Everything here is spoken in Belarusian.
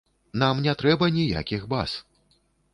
Нам не трэба ніякіх баз.